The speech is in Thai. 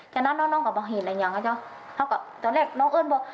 เจ้าเล็กน้องเอิ้นบอก